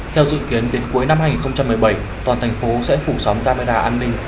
theo dự kiến đến cuối năm hai nghìn một mươi bảy toàn thành phố sẽ phủ sóng camera an ninh